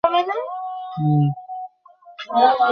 যেখানে ছামূদ জাতি বসবাস করত।